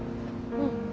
うん。